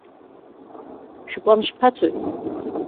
Шәыплан шԥацои?